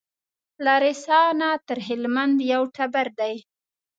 له رسا نه تر هلمند یو ټبر دی